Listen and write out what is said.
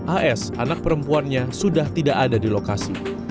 as anak perempuannya sudah tidak ada di lokasi